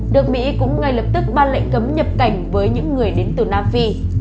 được mỹ cũng ngay lập tức ban lệnh cấm nhập cảnh với những người đến từ nam phi